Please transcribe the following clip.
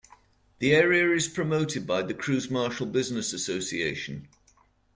The area is promoted by the Crouse-Marshall Business Association.